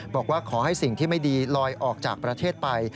บอกว่าขอให้สิ่งที่ไม่ดีลอยออกจากประเทศไป